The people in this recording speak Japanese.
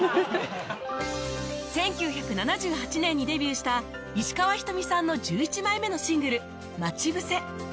１９７８年にデビューした石川ひとみさんの１１枚目のシングル『まちぶせ』